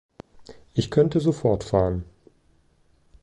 Ich könnte so fortfahren.